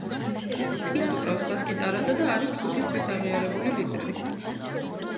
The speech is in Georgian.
ის უკრავს ბას გიტარაზე და არის ჯგუფის თვითაღიარებული ლიდერი.